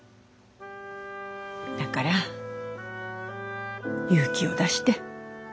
だから勇気を出して。